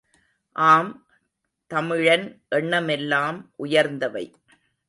ஆம், தமிழன் எண்ணமெல்லாம் உயர்ந்தவை.